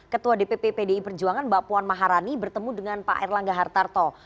ketua dpp pdi perjuangan mbak puan maharani bertemu dengan pak erlangga hartarto